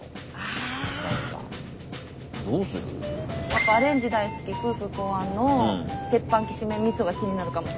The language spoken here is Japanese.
やっぱ「アレンジ大好き夫婦考案」の「鉄板×きしめん×みそ」が気になるかも。